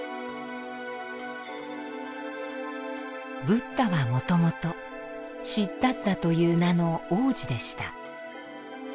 ブッダはもともとシッダッタという名の王子でした。